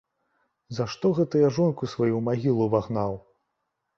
За што гэта я жонку сваю ў магілу ўвагнаў?